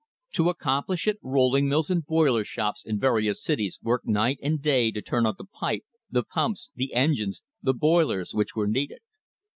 To accomplish it, rolling mills and boiler shops in vari ous cities worked night and day to turn out the pipe, the pumps, the engines, the boilers which were needed.